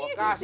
oh pak waji